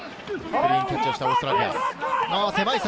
クリーンキャッチをしたオーストラリア。